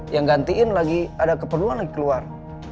yang gantiin lagi ada keperluan lagi keluar